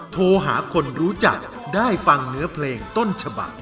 โทรหาคนรู้จักได้ฟังเนื้อเพลงต้นฉบัก